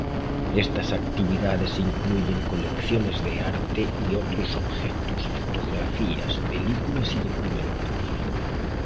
Estas actividades incluyen colecciones de arte y otros objetos, fotografías, películas y documentos.